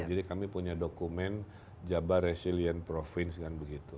jadi kami punya dokumen jabar resilient program